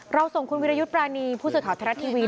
ส่งคุณวิรยุทธ์ปรานีผู้สื่อข่าวไทยรัฐทีวี